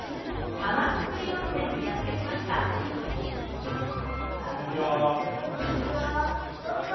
玉造温泉にやって来ましたこんにちは。